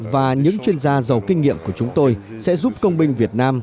và những chuyên gia giàu kinh nghiệm của chúng tôi sẽ giúp công binh việt nam